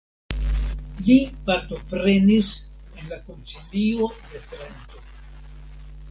Li partoprenis en la Koncilio de Trento.